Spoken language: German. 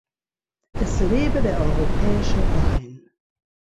Es lebe der europäische Wein!